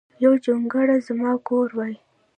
یو جونګړه ځما کور وای